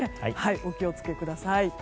お気を付けください。